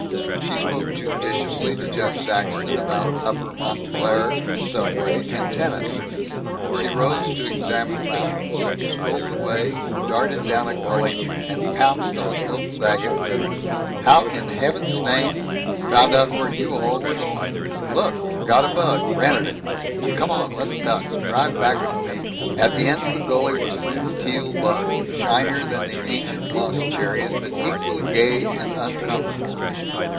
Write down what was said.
She spoke judiciously to Jeff Saxton about Upper Montclair, the subway, and tennis. She rose to examine the mountains, strolled away, darted down a gully, and pounced on Milt Daggett with: "How in heaven's name " "Found out where you all were going. Look! Got a bug! Rented it. Come on! Let's duck! Drive back with me!" At the end of the gully was a new Teal bug, shinier than the ancient lost chariot, but equally gay and uncomfortable.